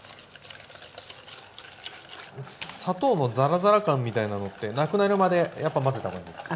砂糖のざらざら感みたいなのってなくなるまでやっぱ混ぜた方がいいんですか？